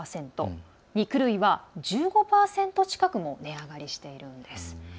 肉類は１５％近くも値上がりしているんです。